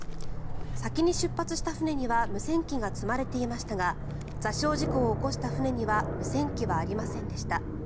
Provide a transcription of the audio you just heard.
先に出発した船には無線機が積まれていましたが座礁事故を起こした船には無線機はありませんでした。